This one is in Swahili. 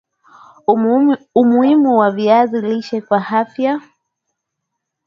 Umuhimu wa viazi lishe kwa afya